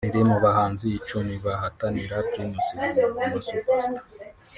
riri mu bahanzi icumi bahatanira Primus Guma Guma Super Star